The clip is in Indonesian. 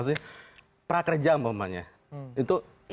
dosa terbuka maksudnya prakerjaan pembahasannya itu adalah pengakuan terbuka gitu ya